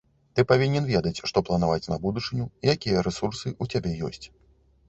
Ты павінен ведаць, што планаваць на будучыню, якія рэсурсы ў цябе ёсць.